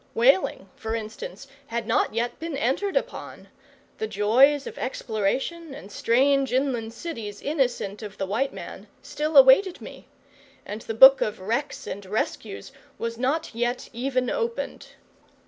Whaling, for instance, had not yet been entered upon; the joys of exploration, and strange inland cities innocent of the white man, still awaited me; and the book of wrecks and rescues was not yet even opened.